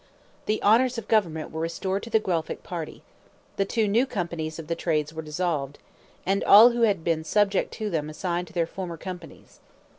The honors of government were restored to the Guelphic party; the two new Companies of the Trades were dissolved, and all who had been subject to them assigned to their former companies.